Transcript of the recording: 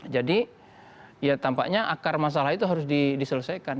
jadi ya tampaknya akar masalah itu harus diselesaikan